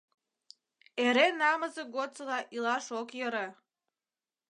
Эре намызе годсыла илаш ок йӧрӧ.